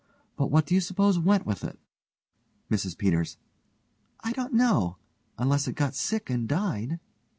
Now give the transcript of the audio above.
But what do you suppose went with it? MRS PETERS: I don't know, unless it got sick and died.